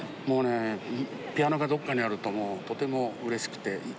もうねえピアノがどっかにあるととてもうれしくて。